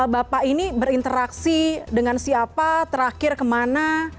bapak ini berinteraksi dengan siapa terakhir kemana